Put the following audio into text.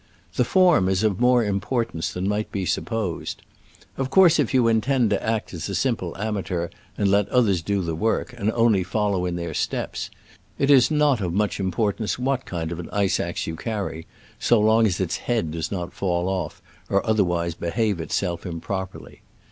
The form is of more im portance than might be supposed. Of course, if you intend to act as a simple amateur and le;t others do the work, and only follow in their steps, it is not of much importance what kind of ice axe you carry, so long as its head does not fall off or otherwise behave itself im properly.